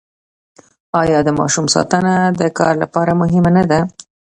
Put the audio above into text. آیا د ماشوم ساتنه د کار لپاره مهمه نه ده؟